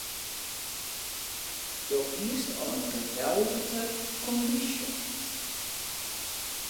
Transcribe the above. Doe hiest al in geweldige kondysje.